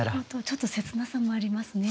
ちょっと切なさもありますね。